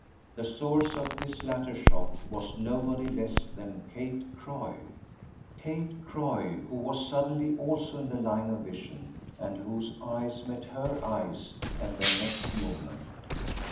The source of this latter shock was nobody less than Kate Croy Kate Croy who was suddenly also in the line of vision and whose eyes met her eyes at their next movement.